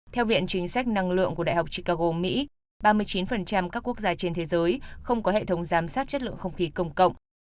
theo viện chính sách năng lượng của đại học chicago mỹ ba mươi chín các quốc gia trên thế giới không có hệ thống giám sát chất lượng không khí công cộng